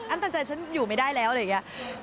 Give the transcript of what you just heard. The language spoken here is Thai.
ตันใจฉันอยู่ไม่ได้แล้วอะไรอย่างนี้